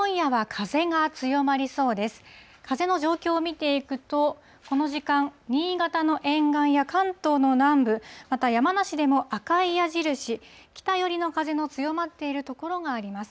風の状況を見ていくと、この時間、新潟の沿岸や関東の南部、また山梨でも赤い矢印、北寄りの風の強まっている所があります。